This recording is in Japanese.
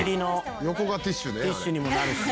「横がティッシュで」